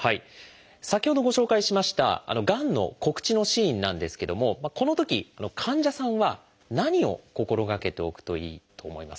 先ほどご紹介しましたがんの告知のシーンなんですけどもこのとき患者さんは何を心がけておくといいと思いますか？